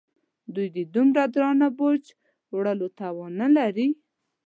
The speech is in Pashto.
دوی د دومره درانه بوج وړلو توان نه لري.